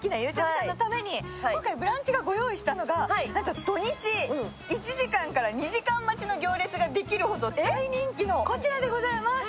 さんのために今回「ブランチ」がご用意したのが土日、１時間から２時間の行列ができるほど大人気のこちらでございます。